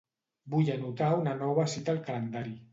Vull anotar una nova cita al calendari.